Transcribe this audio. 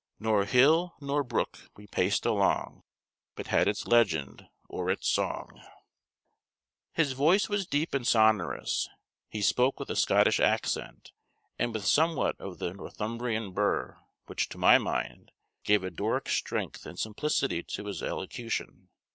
"Nor hill, nor brook, we paced along, But had its legend or its song." His voice was deep and sonorous, he spoke with a Scottish accent, and with somewhat of the Northumbrian "burr," which, to my mind, gave a Doric strength and simplicity to his elocution.